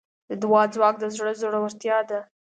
د دعا ځواک د زړه زړورتیا ده.